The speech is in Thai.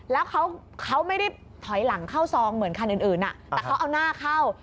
แล้วเขาไม่ได้ถอยหลังเข้าซองเหมือนคันอื่นแต่เขาเอาหน้าเข้า